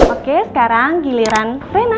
oke sekarang giliran rena